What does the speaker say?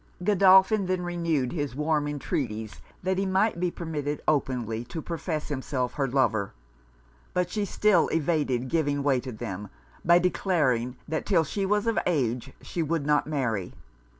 Godolphin then renewed his warm entreaties that he might be permitted openly to profess himself her lover: but she still evaded giving way to them, by declaring that 'till she was of age she would not marry.